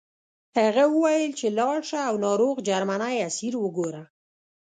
هغه وویل چې لاړ شه او ناروغ جرمنی اسیر وګوره